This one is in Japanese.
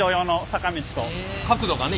角度がね